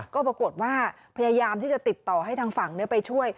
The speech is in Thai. ก็ปรากฏว่าพยายามที่จะติดต่อให้ทางฝั่งไปช่วย